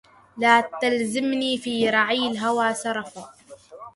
لا تلزمني في رعي الهوى سرفا